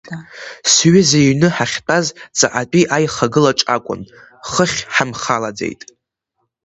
Сҩыза иҩны ҳахьтәаз ҵаҟатәи аихагылаҿ акәын, хыхь ҳамхалаӡеит.